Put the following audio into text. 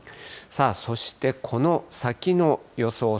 さあ、そして、この先の予想